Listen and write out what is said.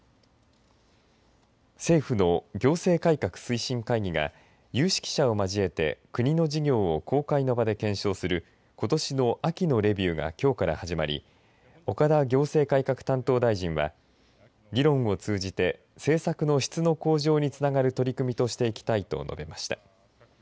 政府の行政改革推進会議が有識者を交えて国の事業を公開の場で検証することしの秋のレビューがきょうから始まり岡田行政改革担当大臣は議論を通じて政策の質の向上につながる取り組みとしていきたいと述べました。